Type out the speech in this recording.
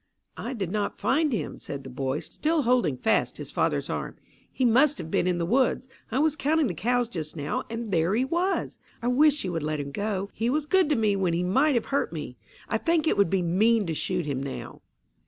"I did not find him," said the boy, still holding fast his father's arm. "He must have been in the woods. I was counting the cows just now, and there he was! I wish you would let him go. He was good to me when he might have hurt me. I think it would be mean to shoot him now."